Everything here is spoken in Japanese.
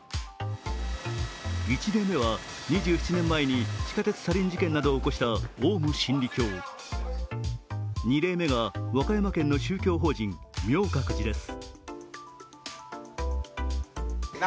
１例目は２７年前に地下鉄サリン事件などを起こしたオウム真理教、２例目は、和歌山県の宗教法人・明覚寺です。